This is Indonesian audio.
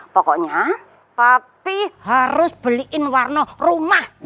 pokoknya papi harus beliin warno rumah